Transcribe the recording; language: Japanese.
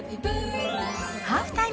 ハーフタイム